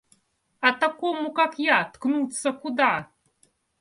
А такому, как я, ткнуться куда?